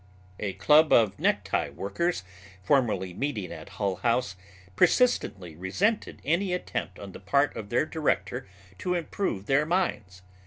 A club of necktie workers formerly meeting at Hull House persistently resented any attempt on the part of their director to improve their minds.